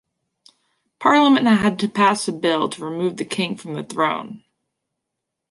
Parliament had to pass a bill to remove the king from the throne.